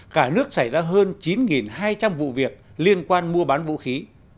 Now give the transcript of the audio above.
cả nước xảy ra hơn chín hai trăm linh vụ việc liên quan mua bán vũ khí